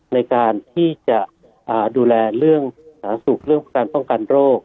ในการที่จะดูแลเรื่องสูงประกันประกันโรค